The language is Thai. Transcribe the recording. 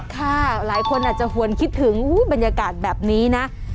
ค่ะหลายคนอาจจะหวนคิดถึงบรรยากาศแบบนี้นะ